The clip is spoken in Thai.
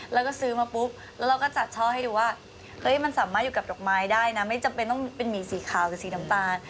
แล้วก็ซื้อมาปุ๊บแล้วเราก็จัดช่อให้ดูว่าเฮ้ยมันสามารถอยู่กับดอกไม้ได้นะไม่จำเป็นต้องเป็นหมีสีขาวหรือสีน้ำตาล